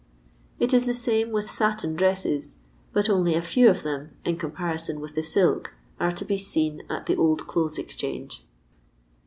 It is the same with satin dresses, but only a few of them, in eoatiparison with the silk, are to be seen at the Old Clothes' Exchange.